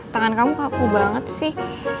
tangan kamu kaku banget sih